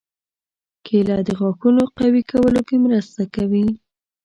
کېله د غاښونو قوي کولو کې مرسته کوي.